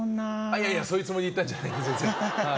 いやいやそういうつもりで言ったんじゃないんですよ